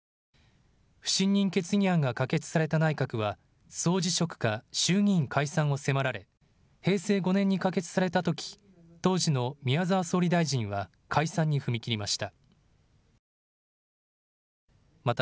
不信任決議案が可決された内閣は総辞職か衆議院解散を迫られ平成５年に可決されたとき当時の宮沢総理大臣は解散に踏み切りました。